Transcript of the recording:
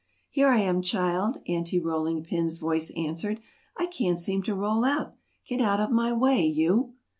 "Here I am, child," Aunty Rolling Pin's voice answered. "I can't seem to roll out. Get out of my way you!"